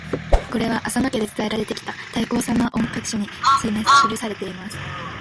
これは浅野家で伝えられてきた「太閤様御覚書」に記されています。